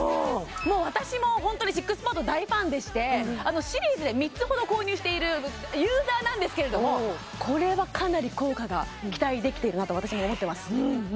もう私もホントにＳＩＸＰＡＤ大ファンでしてシリーズで３つほど購入しているユーザーなんですけれどもこれはかなり効果が期待できてるなと私も思ってます